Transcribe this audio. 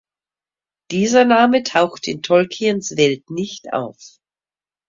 Dieser Name taucht in Tolkiens Welt nicht auf.